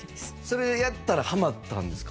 それでやったらハマったんですか？